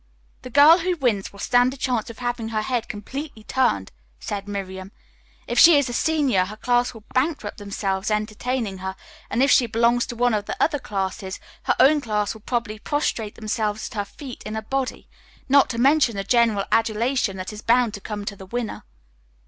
"The girl who wins will stand a chance of having her head completely turned," said Miriam. "If she is a senior, her class will bankrupt themselves entertaining her, and if she belongs to one of the other classes, her own class will probably prostrate themselves at her feet in a body, not to mention the general adulation that is bound to come to the winner."